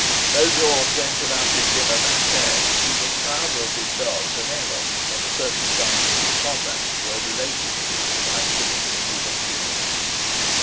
Though George went without his dinner that day, he was prouder of his dog than ever when the circumstances of the combat were related to him by the villagers who had seen it.